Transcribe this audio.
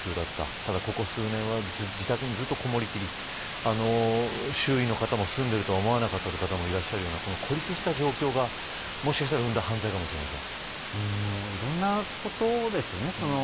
ただ、ここ数年は自宅にずっと、こもり切り周囲の方も、住んでいるとは思わなかったという方もいらっしゃるような孤立した状況が生んだ犯行かもしれません。